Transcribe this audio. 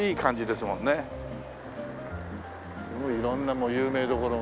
すごい色んなもう有名どころが。